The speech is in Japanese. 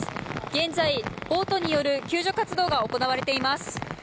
現在、ボートによる救助活動が行われています。